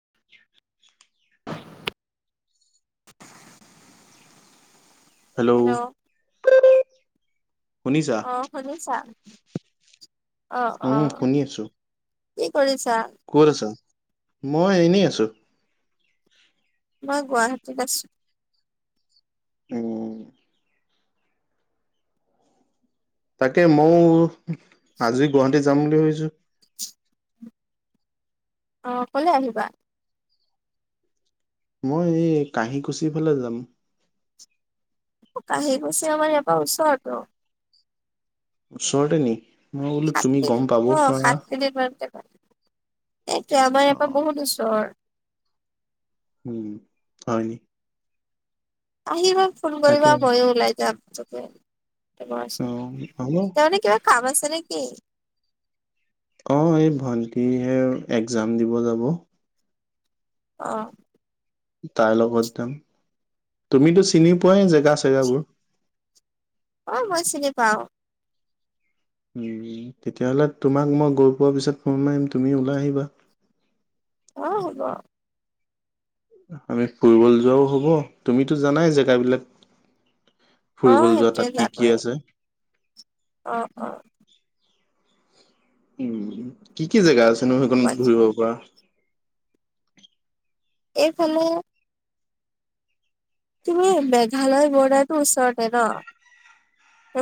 [unintelligible] [inaudible] Hello শুনিছা? অ শুনিছা? অ অ উম শুনি আছোঁ। কি কৰিছ ক'ত আছা? মই এনেই আছোঁ। মই গুৱাহাটীত আছোঁ। উম, তাকে ময়ও আজি গুৱাহাটীত যাম বুলি ভাবিছোঁ অ, অকলে আহিবা? মই এই কাঁহীকুছিৰ ফালে যাম। অ, কাঁহীকুছি আমাৰ ইয়াৰ পৰা ওচৰতো। ওচৰতে নি? মই বোলো সাত তুমি মিনিট গম অ পাবও পাৰা। এ [unintelligible] বাৰীৰ পা অ', বহুত ওচৰ। উম, হয়নি আহিবা ফোন কৰিবা ময়ো ওলাই যাম তাকে। অ, অ', [unintelligible] হ'ব। এতিয়া মানে কিবা কাম আছে নেকি? অ, এই ভন্টিহে একজাম দিব যাব। অঁ। তাইৰ লগত যাম তুমিতো চিনি পোৱাই জেগা চেগাবোৰ? অ মই চিনি পাওঁ। উম, তেতিয়াহ'লে তোমাক মই গৈ পোৱাৰ পিছত ফোন মাৰিম তুমি ওলাই আহিবা। [inaudible] অ, হ'ব। আমি ফুৰিবলে যোৱাও হ'ব তুমিতো জানাই জেগাবিলাক। অ ফুৰিবলৈ যোৱা সেইটোৱে তাত কি কি যাবই আছে। অ অ। উম কি কি জোগা আছে নো সেইকণ ঘুৰিব পৰা? এইফালে তুমি মেঘালয় বৰ্ডাৰটো ওচৰতে ন?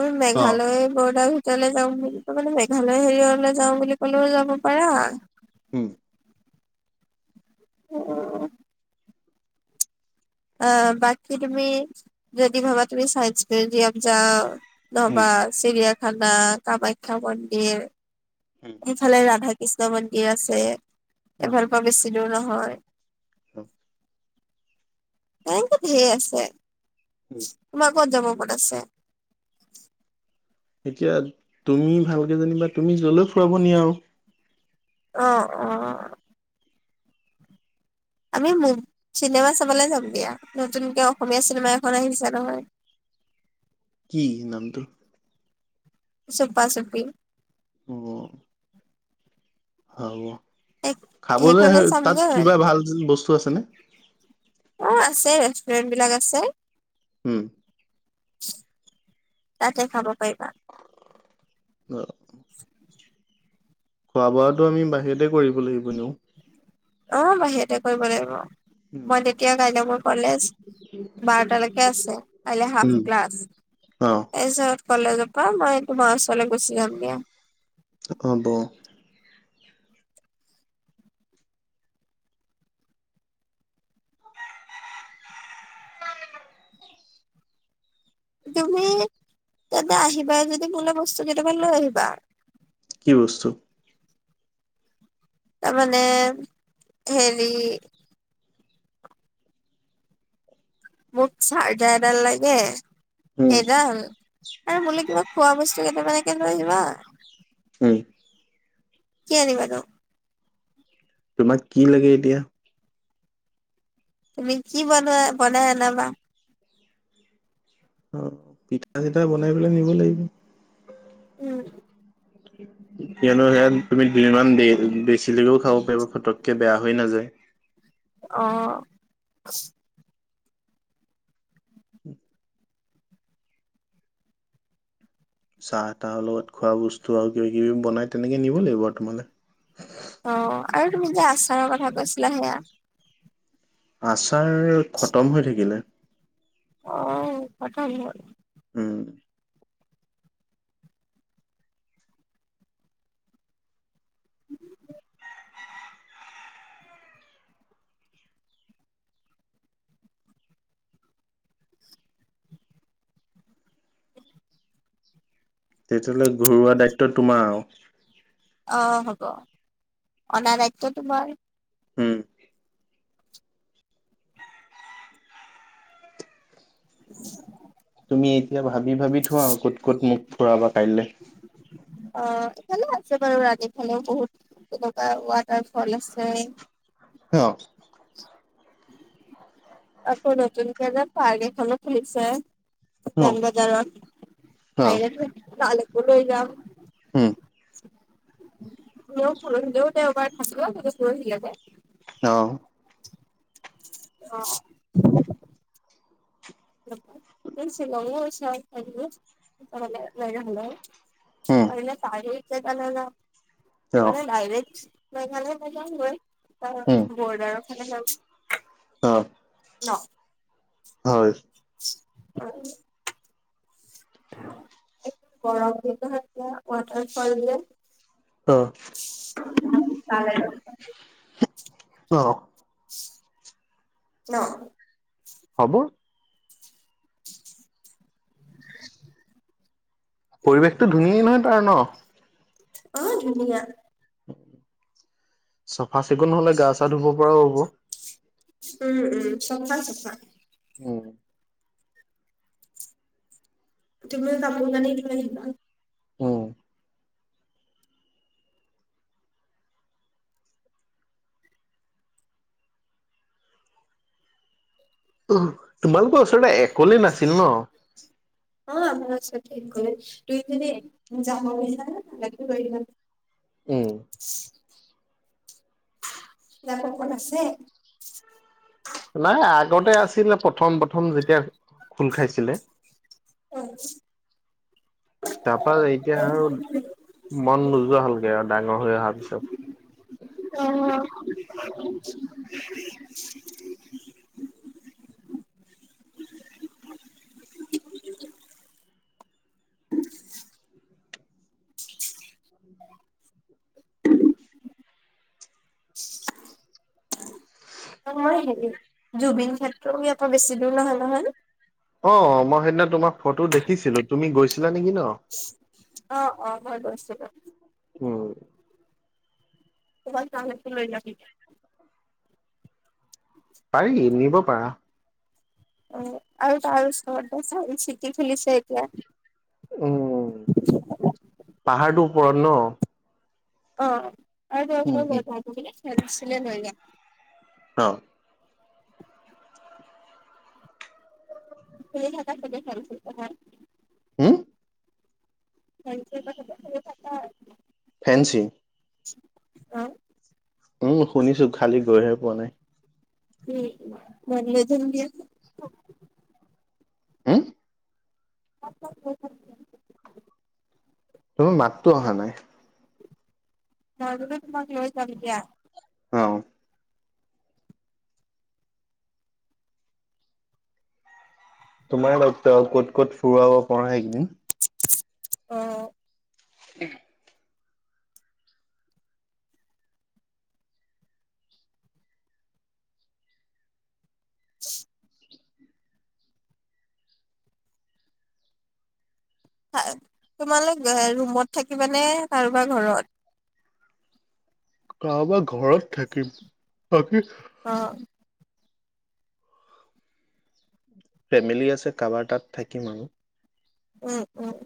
এই অ'। মেঘালয় বৰ্ডাৰ তালৈ যাওঁ বুলি মানে মেঘালয় হেৰিয়লৈ যাওঁ বুলি কলেও যাব পাৰা হম। [unintelligible] আহ বাকী তুমি যদি ভাবা তুমি চায়েঞ্চ মিউজিয়াম যাওঁ উম, নহবা চিৰিয়াখানা, কামাখ্যা মন্দিৰ উম, সেইফালে ৰাধা কৃষ্ণ মন্দিৰ আছে এইফালৰ পৰা বেছি দূৰ নহয়। অঁ [inaudible] এনেকে ধেৰ আছে, উম। তোমাৰ ক'ত যাব মন‌ আছে। এতিয়া তুমি ভালকে যেনিবা তুমি যলৈ ফুৰাব নিয়া আৰু। অ', অ'। আমি মু চিনেমা চাবলৈ যাম দিয়া নতুনকে অসমীয়া চিনেমা এখন আহিছে নহয়। কি নামটো? চুপা চুপি। অ'। হ'ব। খাবলৈ সেইখনে তাত চামগৈ। কিবা ভাল বস্তু আছেনে? ৰেটবিলাক আছে। হম। তাতে খাব পাৰিবা। খোৱা বোৱাটো আমি বাহিৰতে কৰিব লাগিব এনেও। অ', বাহিৰতে কৰিব লাগিব, উম, মই তেতিয়া কাইলৈ মোৰ কলেজ বাৰটালৈকে আছে, কাইলৈ হাফ ক্লাছ অ', তাৰিছত কলেজ পা মই তোমাৰ ওচৰলে গুচি যাম দিয়া। অ'ব। তুমি তেন্তে আহিবা যদি মোলৈ বস্তু কেইটামান লৈ আহিবা। কি বস্তু। তাৰমানে হেৰি মোক চাৰজা এডাল লাগে, উম, সেইডাল আৰু মোলৈ কিবা খোৱা বস্ [unintelligible] হুম, কি আনিবা ন। তোমাক কি লাগে এতিয়া। তুমি কি বনোৱা বনাই আনাবা। অ পিঠা চিঠা বনাই পেলাই নিব লাগিব। উম [unintelligible] কিয়নো সে তুমি দুইমান বেছিলৈকেও খাব পাৰিবা ফটককে বেয়া হৈ নাযায়। অহ, উম, চাহ তাহৰ লগত খোৱা বস্তু আৰু কিবা কিবি বনাই তেনেকে নিব লাগিব আৰু তোমালে। অঁ, আৰু তুমি যে আচাৰৰ কথা কৈছিলা সেয়া। আচাৰ খতম হৈ থাকিলে। অঁ, খতম হয় উম [inaudible] তেতিয়াহ'লে ঘৰুৱা দায়িত্ব তোমাৰ আৰু। অ' হ'ব অনা দায়িত্ব তোমাৰ। হম। [inaudible] তুমি এতিয়া ভাবি ভাবি থোৱা ক'ত ক'ত মোক ফুৰাবা কাইলৈ। অ' এইফালেও আছে বাৰু ৰানি ফালেও বহুত তেনেকুৱা ৱাটাৰ ফল আছে। অ' [inaudible] আকৌ নতুনকৈ যে পাৰ্ক এখনো খুলিছে। অ উজান বজাৰত আহিলেতো তালয়কেও লৈ যাম। হম। মই ফোৰণ দেও তেওঁ এবাৰ থছিল ত ফুৰণ দিলা যে অ', অ', ছল ল হলে [unintelligible] [unintelligible] উম অ মানে ডাইৰেক্ট মেঘালয় মানে হয় উম বৰ্ডাৰ [unintelligible] অ', ন হয় অ', গৰম দিনতিয়া ৱাটাৰ ফল যে অ কাল আৰু অ ন হ'ব পৰিৱেশটো ধুনীয় নহয় তাৰ ন। অ, ধুনীয়া চফা চিকুণ হলে গা চা ধুব পৰাও হ'ব উম উম চফা চফা উম, তিব চাম নানে লাগ [unintelligible] উম, তোমালোকৰ ওচৰতে একলেই আছিল ন। অ, আমাৰ কৰে দুই তিনি ন যাম বুলি ৰা [unintelligible] উম, যাপ কত আছে নাই আগতে আছিলে প্ৰথম - প্ৰথম যেতিয়া খোল খাইছিলে। উম তাৰপৰা এতিয়া আৰু মন নোযোৱা হ'লগে আৰু ডাঙৰ হৈ অহাৰ পিছত। অ', মই হেৰি জুবিন ক্ষেত্ৰ আকৌ বেছি দূৰ নহয় নহয় অ, মই সেইদিনা তোমাক ফটো দেখিছিলো তুমি গৈছিলা নেকি ন। অ অ মই গৈছোঁ বাৰু উম, তালে কে লৈ যাবি পাৰি নিব পাৰা অ, আৰু তাৰ ওচৰত চ চিটি খুলিছে এতিয়া। উম, পাহাৰটোৰ ওপৰত ন। অ, আৰু উম, উম, মই বছিলে লৈ যাম। অঁ। খ হাতাত বে চালছিল হয়। হম। [unintelligible] ফেনঞ্চি। অঁ। উম শুনিছো খালি গৈহে পোৱা নাই। উম উ মনজনন দ হা? [unintelligible] তোমাৰ মাতটো অহা নাই? মই তোমাক লৈ যাম দিয়া। অঁ। তোমাৰ লগতো আৰু ক'ত ক'ত ফুৰাব পৰা এইকেইদিন। অঁ। উম। [unintelligible] তোমালোক ৰুমত থাকিবানে? কাৰোবাৰ ঘৰত কাৰোবাৰ ঘৰত থাকিম বাকি অ ফেমিলি আছে কাৰোবাৰ তাত থাকিম। উম উম।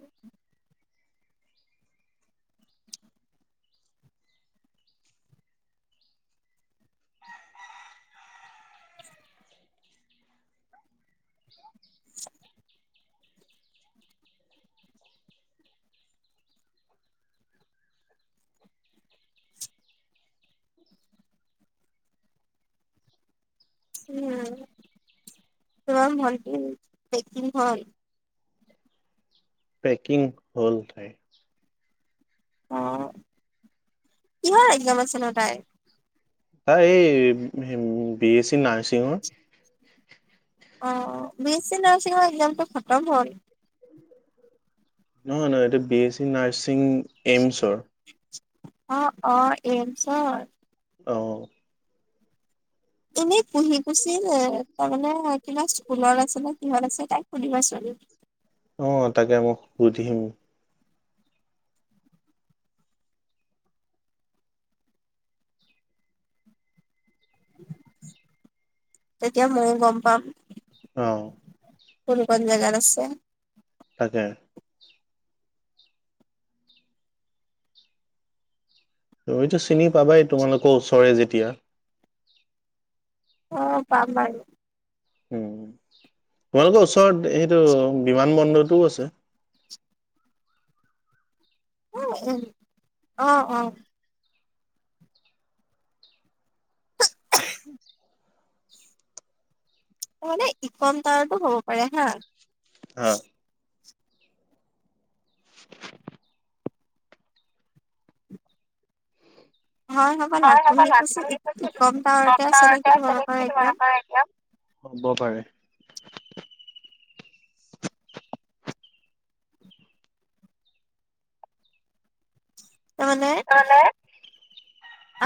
[unintelligible] উম তোমাৰ ভণ্টি পেকিং হল? পেকিং হল তাই। অ। কিহৰ এক্জাম আছে নো তাই? আ এই বি এছ চি নাৰ্ছিঙৰ। অ বি এছ চি নাৰ্ছিঙৰ এক্জামটো খতম হ'ল। নহয় নহয় এইটো বি এছ চি নাৰ্ছিংৰ এইমছৰ, অ অ,, এইম চৰ! অঁ। তুমি কুহি-পুছি তাৰমানে কিবা স্কুলত আছে নে কিহত আছে তাই সুধিবাচোন? অ তাকে মোক সুধিম। তেতিয়া ময়ো গম পাম। অ। কোন কোন জেগাত আছে? তাকে, তুমিতো চিনি পাবাই তোমালোকৰ ওচৰে যেতিয়া অ পাম পাম। ওম তোমালোকৰ ওচৰত সেইটো বিমান বন্দৰটোও আছে। উ উ অহ অহ। মানে ইকম তাৱাৰতো হ'ব পাৰে হা। অ হ'বলা হয় হ'ব কুহি কুছি নপাহতে ইকম টাৱাৰতে আছে নেকি তোমালোকৰ [unintelligible] একজাম তোমালোকৰ একযাম। হ'ব পাৰে। তাৰ মানে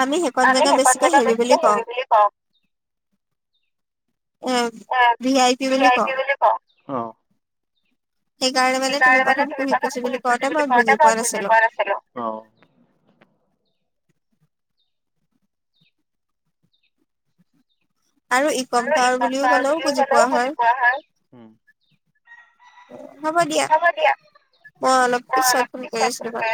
আমি সেইকণ জেগা বেছিকে হেৰি বুলি কওঁ। এ ভি আই পি বুলি কওঁ [unintelligible] সেইকাৰণে মানে তুমি কোৱা কাৰণে [unintelligible] বুজি পোৱা নাছিলো। অ', [inaudible] আৰু ইকম টাৱাৰ বুলিও ক'লেও বুজি পোৱা হয়। হব দিয়া। মই অলপ পিছত ফোন কৰি আছো তুমাক।